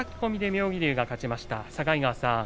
妙義龍が勝ちました、境川さん